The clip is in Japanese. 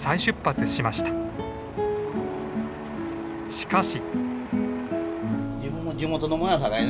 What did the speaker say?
しかし。